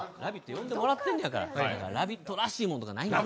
呼んでもらってるんやから、「ラヴィット！」らしいものとかないんか。